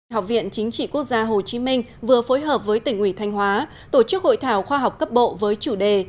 học viện chính trị quốc gia hồ chí minh vừa phối hợp với tỉnh ủy thanh hóa tổ chức hội thảo khoa học cấp bộ với chủ đề